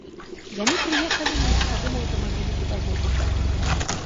Яны прыехалі на легкавым аўтамабілі педагога.